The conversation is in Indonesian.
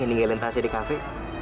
yang ninggalin tansi di cafe